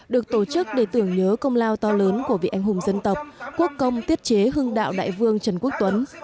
được tổ chức để tưởng nhớ công lao to lớn của vị anh hùng dân tộc quốc công tiết chế hưng đạo đại vương trần quốc tuấn